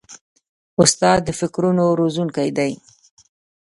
استاد د فکرونو روزونکی دی.